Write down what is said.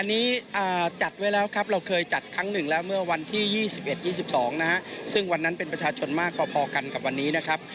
วันนี้จัดไว้แล้วครับเราเคยจัดครั้งหนึ่งแล้วเมื่อวันที่๒๑๒๒นะฮะซึ่งวันนั้นเป็นประชาชนมากพอกันกับวันนี้นะครับ